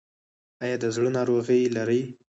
ایا د زړه ناروغي لرئ؟